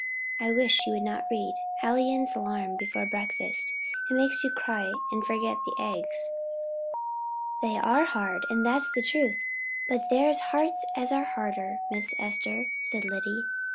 I wish you would not read Alleyne's 'Alarm' before breakfast; it makes you cry and forget the eggs." "They are hard, and that's the truth; but there's hearts as are harder, Miss Esther," said Lyddy.